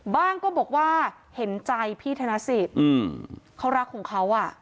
ก็บอกว่าเห็นใจพี่ธนสิทธิ์เขารักของเขาอ่ะ